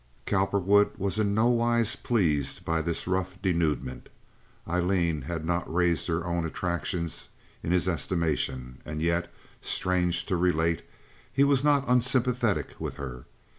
Cowperwood was in no wise pleased by this rough denouement. Aileen had not raised her own attractions in his estimation, and yet, strange to relate, he was not unsympathetic with her.